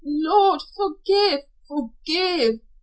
"Lord, forgive, forgive!"